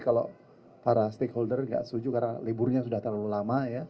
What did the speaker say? kalau para stakeholder nggak setuju karena liburnya sudah terlalu lama ya